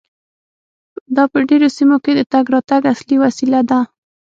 دا په ډیرو سیمو کې د تګ راتګ اصلي وسیله ده